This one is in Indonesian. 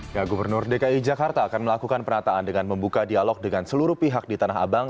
ya gubernur dki jakarta akan melakukan penataan dengan membuka dialog dengan seluruh pihak di tanah abang